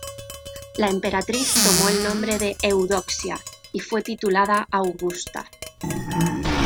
La emperatriz tomó el nombre de Eudoxia y fue titulada Augusta.